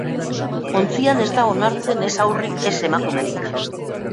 Ontzian ez da onartzen ez haurrik ez emakumerik.